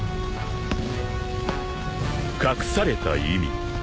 ［隠された意味］